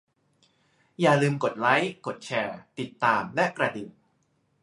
อย่าลืม กดไลก์ กดแชร์ ติดตาม และกระดิ่ง